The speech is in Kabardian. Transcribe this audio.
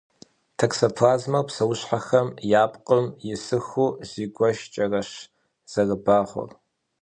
Токсоплазмэр псэущхьэхэм я пкъым исыху зигуэшкӏэрэщ зэрыбагъуэр.